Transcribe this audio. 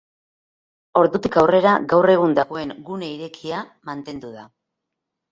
Ordutik aurrera gaur egun dagoen gune irekia mantendu da.